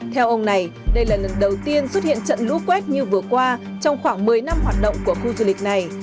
theo ông này đây là lần đầu tiên xuất hiện trận lũ quét như vừa qua trong khoảng một mươi năm hoạt động của khu du lịch này